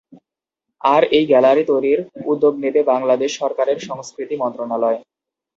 আর এই গ্যালারি তৈরির উদ্যোগ নেবে বাংলাদেশ সরকারের সংস্কৃতি মন্ত্রণালয়।